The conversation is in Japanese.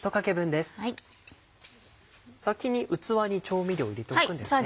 先に器に調味料を入れておくんですね。